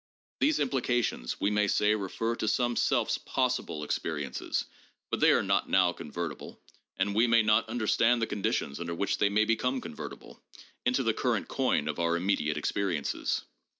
These implications, we may say, refer to some self's possible experi ences, but they are not now convertible, and we may not understand the conditions under which they may become convertible, into the current coin of our immediate experiences.